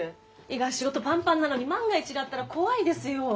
井川仕事パンパンなのに万が一があったら怖いですよ。